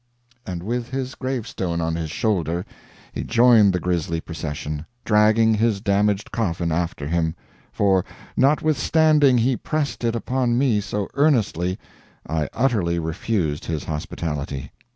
And with his gravestone on his shoulder he joined the grisly procession, dragging his damaged coffin after him, for notwithstanding he pressed it upon me so earnestly, I utterly refused his hospitality.